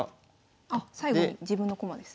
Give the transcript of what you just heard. あ最後に自分の駒ですね。